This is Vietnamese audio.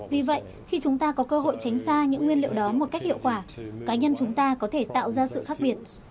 vì vậy khi chúng ta có cơ hội tránh xa những nguyên liệu đó một cách hiệu quả cá nhân chúng ta có thể tạo ra sự khác biệt